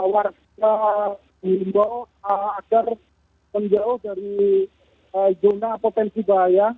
warga dihimbau agar menjauh dari zona potensi bahaya